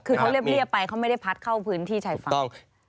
คือเขาเรียบไปเขาไม่ได้พัดเข้าพื้นที่ชายฝั่ง